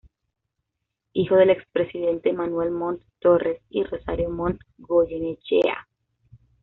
Hijo del expresidente Manuel Montt Torres y Rosario Montt Goyenechea.